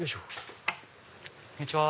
こんにちは。